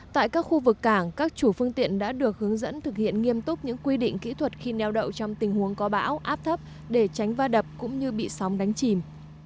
tại các khu vực cảng các chủ phương tiện đã được hướng dẫn thực hiện nghiêm túc những quy định kỹ thuật khi neo đậu trong tình huống có bão áp thấp để tránh va đập cũng như bị sóng đánh chìm